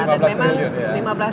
lima belas triliun ya